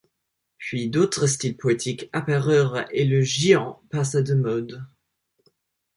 Puis d’autres styles poétiques apparurent et le ji’an passa de mode.